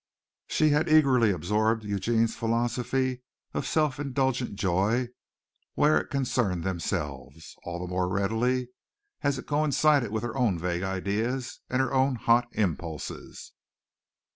She had eagerly absorbed Eugene's philosophy of self indulgent joy where it concerned themselves all the more readily as it coincided with her own vague ideas and her own hot impulses.